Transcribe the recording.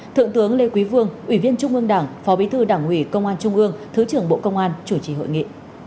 thượng tướng lê quý vương ủy viên trung ương đảng phó bí thư đảng ủy công an trung ương thứ trưởng bộ công an chủ trì hội nghị